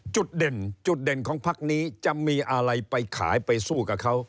จุดเด่นจุดเด่นของพักนี้จะมีอะไรไปขายไปสู้กับเขา